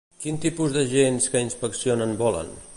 Quin tipus d'agents que inspeccionen volen?